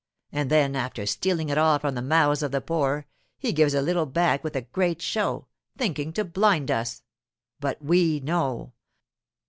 And then, after stealing it all from the mouths of the poor, he gives a little back with a great show, thinking to blind us. But we know.